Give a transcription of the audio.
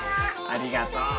ありがとう。